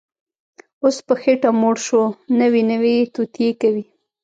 اوس په خېټه موړ شو، نوې نوې توطیې کوي